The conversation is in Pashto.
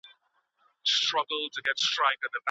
ولور بايد له ځنډ پرته ادا کړل سي.